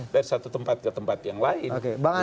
dari satu tempat ke tempat yang lain